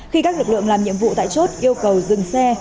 khi các lực lượng làm nhiệm vụ tại chốt yêu cầu dừng xe